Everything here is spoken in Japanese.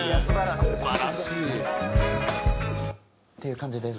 素晴らしい。っていう感じです。